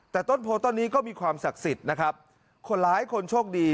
แต่ต้นโพต้นนี้ก็มีความศักดิ์สิทธิ์นะครับคนร้ายคนโชคดี